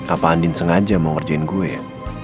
apa andin sengaja mau ngerjain gue ya